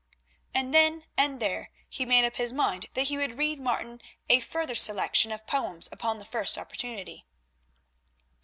And then and there he made up his mind that he would read Martin a further selection of poems upon the first opportunity.